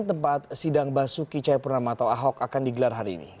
tempat sidang basuki cahayapurnama atau ahok akan digelar hari ini